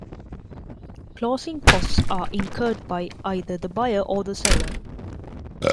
Closing costs are incurred by either the buyer or the seller.